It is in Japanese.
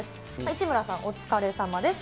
市村さん、お疲れさまです。